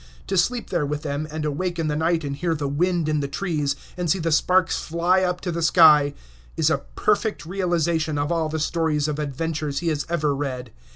To sleep there with them, and awake in the night and hear the wind in the trees, and see the sparks fly up to the sky, is a perfect realization of all the stories of adventures he has ever read.